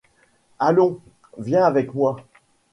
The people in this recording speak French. Allons, viens avec moi.